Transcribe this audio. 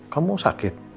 kamu mau sakit